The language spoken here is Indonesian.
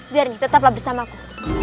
biar ini tetaplah bersamaku